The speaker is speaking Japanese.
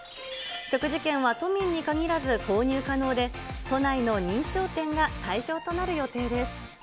食事券は都民に限らず購入可能で、都内の認証店が対象となる予定です。